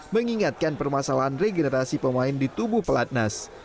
mengingatkan permasalahan regenerasi pemain di tubuh pelatnas